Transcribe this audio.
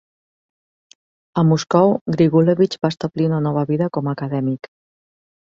A Moscou, Grigulevich va establir una nova vida com a acadèmic.